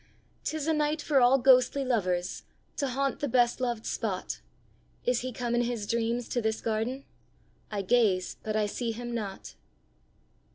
'Tis a night for all ghostly lovers To haunt the best loved spot: Is he come in his dreams to this garden? I gaze, but I see him not.